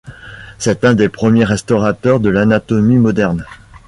C'est un des premiers restaurateurs de l'anatomie moderne.